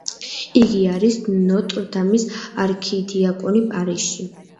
იგი არის ნოტრ დამის არქიდიაკონი, პარიზში.